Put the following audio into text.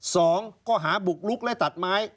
สองข้อหาบุกลุกและตัดไม้